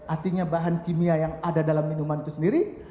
artinya bahan kimia yang ada dalam minuman itu sendiri